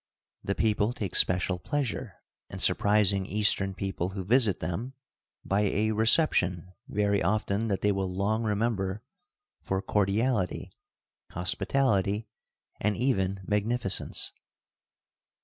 The people take special pleasure in surprising Eastern people who visit them by a reception very often that they will long remember for cordiality, hospitality, and even magnificence.